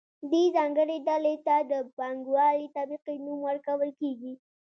دې ځانګړې ډلې ته د پانګوالې طبقې نوم ورکول کیږي.